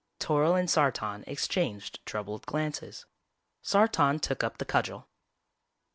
Toryl and Sartan exchanged troubled glances. Sartan took up the cudgel.